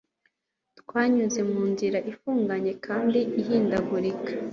Twanyuze mu nzira ifunganye kandi ihindagurika.